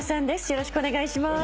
よろしくお願いします。